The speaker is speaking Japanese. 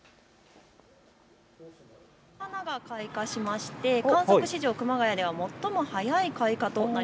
花が開花しまして観測史上、熊谷では最も。